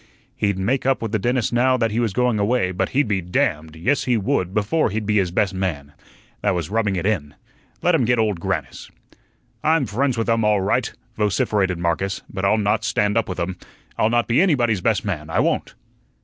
He'd make up with the dentist now that he was going away, but he'd be damned yes, he would before he'd be his best man. That was rubbing it in. Let him get Old Grannis. "I'm friends with um all right," vociferated Marcus, "but I'll not stand up with um. I'll not be ANYBODY'S best man, I won't."